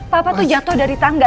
papa tuh jatuh dari tangga